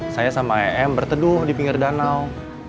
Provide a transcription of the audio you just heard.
saya sama em berteduh di pinggir danau